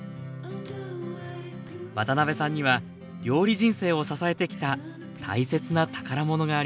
渡辺さんには料理人生を支えてきた大切な宝物があります